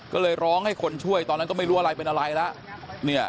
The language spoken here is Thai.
ก็เลยร้องให้คนช่วยตอนนั้นก็ไม่รู้อะไรเป็นอะไรแล้ว